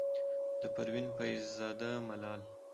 د پروين فيض زاده ملال،